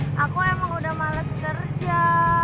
terus aku emang udah males kerja